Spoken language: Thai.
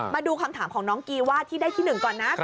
มาดูคำถามของน้องกีว่าที่ได้ที่๑ก่อนนะ